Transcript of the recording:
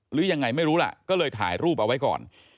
หรือยังไงไม่รู้ล่ะก็เลยถ่ายรูปเอาไว้ก่อน